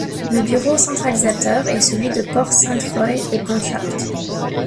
Le bureau centralisateur est celui de Port-Sainte-Foy-et-Ponchapt.